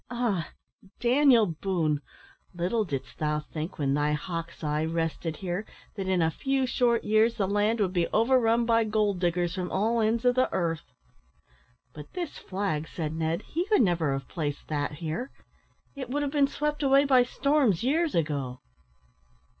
Ah! Daniel Boone, little didst thou think when thy hawk's eye rested here, that in a few short years the land would be overrun by gold diggers from all ends of the earth!" "But this flag," said Ned; "he could never have placed that here. It would have been swept away by storms years ago."